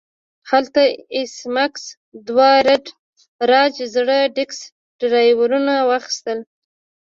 هلته ایس میکس دوه درجن زاړه ډیسک ډرایوونه واخیستل